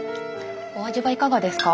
お味はいかがですか？